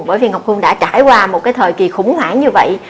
bởi vì ngọc phương đã trải qua một thời kỳ khủng hoảng như vậy